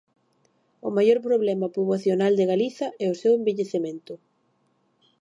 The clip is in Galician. O maior problema poboacional de Galiza é o seu envellecemento.